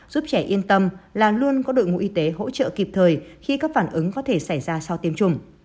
giúp trẻ yên tâm là luôn có đội ngũ y tế hỗ trợ kịp thời khi các phản ứng có thể xảy ra sau tiêm chủng